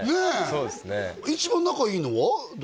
そうですね一番仲いいのは誰？